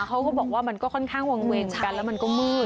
เขาก็บอกว่ามันก็ค่อนข้างวางเวงกันแล้วมันก็มืด